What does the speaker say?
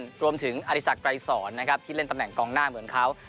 รวมถึงอริสักไกรสอนนะครับที่เล่นตำแหน่งกองหน้าเหมือนเขา